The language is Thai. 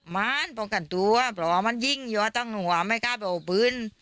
มันปลงกันตัวเพราะว่ามันยิ่งอยู่ตรงหวะไม่กล้าไปบอกพื้น